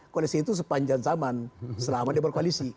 koalisi itu sepanjang zaman selama dia berkoalisi